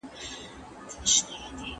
تا چې زلفې په سپين مخ باندې لام لام كړې